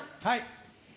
はい。